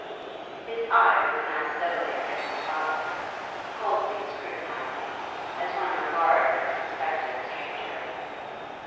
His eye was now steadily fixed upon her, coldly scrutinising, as one regards a suspected stranger.